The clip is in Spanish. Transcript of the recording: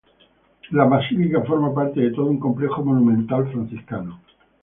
La basílica forma parte de todo un complejo monumental franciscano.